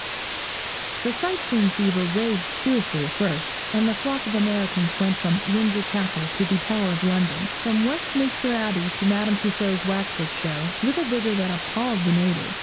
The sight seeing fever raged fiercely at first, and the flock of Americans went from Windsor Castle to the Tower of London, from Westminster Abbey to Madame Taussaud's Waxwork Show, with a vigour that appalled the natives.